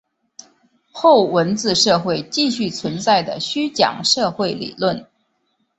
后文字社会继续存在的虚讲社会理论。